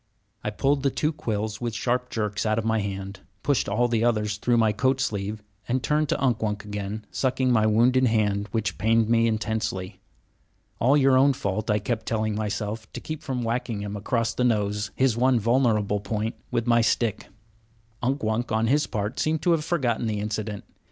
I pulled the two quills with sharp jerks out of my hand, pushed all the others through my coat sleeve, and turned to Unk Wunk again, sucking my wounded hand, which pained me intensely. "All your own fault," I kept telling myself, to keep from whacking him across the nose, his one vulnerable point, with my stick. Unk Wunk, on his part, seemed to have forgotten the incident.